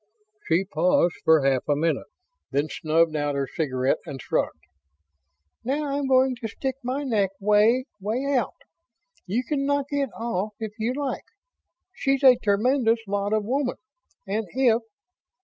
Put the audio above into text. She paused for half a minute, then stubbed out her cigarette and shrugged. "Now I'm going to stick my neck way, way out. You can knock it off if you like. She's a tremendous lot of woman, and if